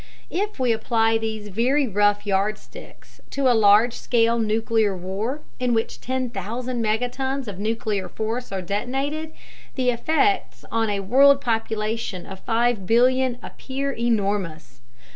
If we apply these very rough yardsticks to a large scale nuclear war in which 10,000 megatons of nuclear force are detonated, the effects on a world population of 5 billion appear enormous.